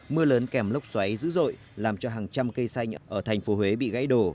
mưa lớn kèm lốc xoáy dữ dội làm cho hàng trăm cây xanh ở thành phố huế bị gãy đổ